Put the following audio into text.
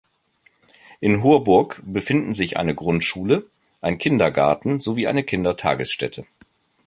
In Horburg befinden sich eine Grundschule, ein Kindergarten sowie eine Kindertagesstätte.